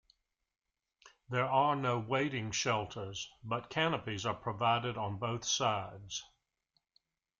There are no waiting shelters, but canopies are provided on both sides.